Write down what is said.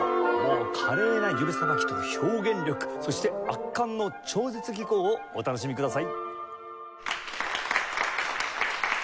華麗な指さばきと表現力そして圧巻の超絶技巧をお楽しみください。